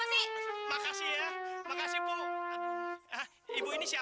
nyak aduh kenapa nih